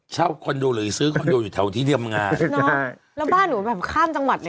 ใช่แล้วบ้านอะแบบข้ามจังหวัดอ่ะ